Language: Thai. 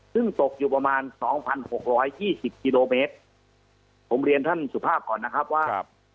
ซึ่งตกอยู่ประมาณ๒๖๒๐กิโลเมตรผมเรียนท่านสุภาพก่อนนะครับว่า